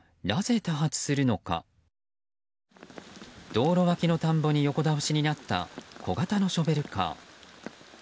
道路脇の田んぼに横倒しになった小型のショベルカー。